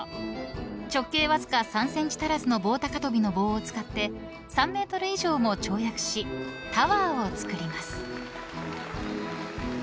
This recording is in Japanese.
［直径わずか３ｃｍ足らずの棒高跳びの棒を使って３ｍ以上も跳躍しタワーをつくります］